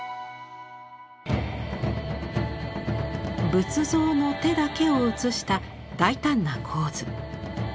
仏像の手だけを写した大胆な構図。